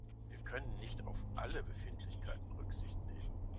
Wir können nicht auf alle Befindlichkeiten Rücksicht nehmen.